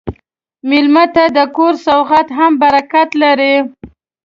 مېلمه ته د کور سوغات هم برکت لري.